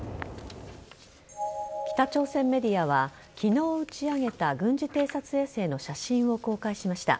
北朝鮮メディアは昨日打ち上げた軍事偵察衛星の写真を公開しました。